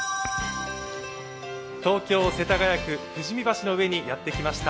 東京・世田谷区富士見橋の前にやってきました。